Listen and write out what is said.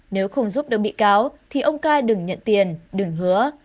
nếu không giúp được bị cáo thì ông ca đừng nhận tiền đường hứa